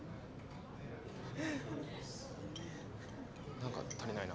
何か足りないな。